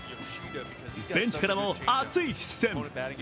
ベンチからも熱い視線。